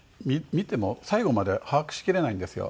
見ても最後まで把握しきれないんですよ